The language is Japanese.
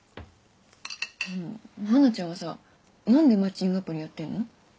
華ちゃんはさ何でマッチングアプリやってんの？